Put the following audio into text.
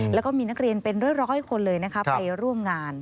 แล้วก็มีนักเรียนเป็นร้อยคนเลยนะคะไปร่วมงาน